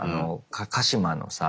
鹿島のさ